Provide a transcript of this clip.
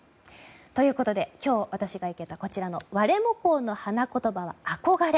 ということで今日私が生けたこちらのワレモコウの花言葉は憧れ。